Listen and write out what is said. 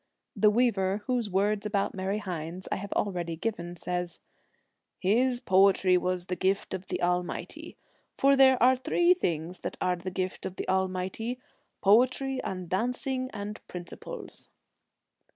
The weaver whose words about Mary Hynes I have already given, says, ' His poetry was the gift of the Almighty, for there are three things that are the gift of the Almighty — poetry and dancing and principles.